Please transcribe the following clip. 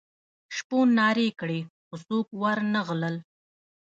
شپون نارې کړې خو څوک ور نه غلل.